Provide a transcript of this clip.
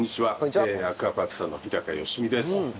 アクアパッツァの日良実です。